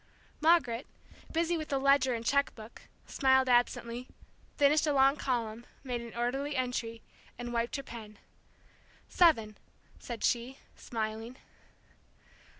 Margaret, busy with a ledger and cheque book, smiled absently, finished a long column, made an orderly entry, and wiped her pen. "Seven," said she, smiling.